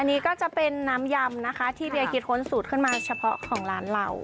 อันนี้ก็จะเป็นน้ำยำนะคะที่เบียคิดค้นสูตรขึ้นมาเฉพาะของร้านเรา